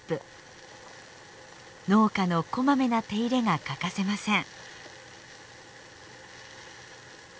農家のこまめな手入れが欠かせません。